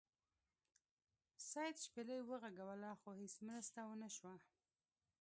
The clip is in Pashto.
سید شپیلۍ وغږوله خو هیڅ مرسته ونه شوه.